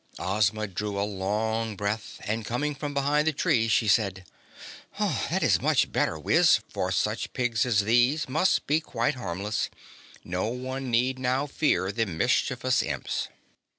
Ozma drew a long breath and coming from behind the tree she said: "That is much better, Wiz, for such pigs as these must be quite harmless. No one need now fear the mischievous Imps."